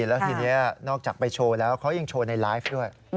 แล้วทีนี้นอกจากไปโชว์แล้วเขายังโชว์ในไลฟ์ด้วย